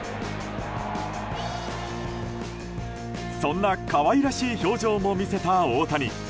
そんな可愛らしい表情も見せた大谷。